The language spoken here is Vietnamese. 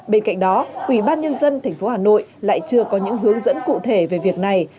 bên cạnh đó quỹ ban nhân dân thành phố hà nội lại chưa có những hướng dẫn cụ thể về việc này